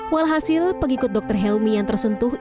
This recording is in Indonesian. walhasil pengikut dokter helmi yang tersentuh